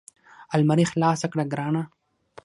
المارۍ خلاصه کړه ګرانه !